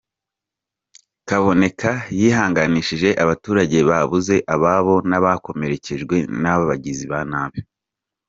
Kaboneka yihanganishije abaturage babuze ababo n’abakomerekejwe n’abagizi ba nabi.